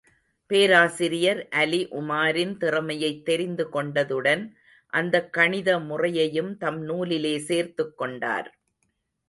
பேராசிரியர் அலி, உமாரின் திறமையைத் தெரிந்து கொண்டதுடன், அந்தக் கணித முறையையும் தம் நூலிலே சேர்த்துக் கொண்டார்.